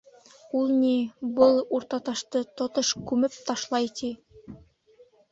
Ул, ни, был Уртаташты тотош күмеп ташлай, ти.